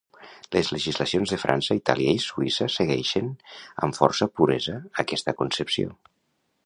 Les legislacions de França, Itàlia i Suïssa segueixen amb força puresa aquesta concepció.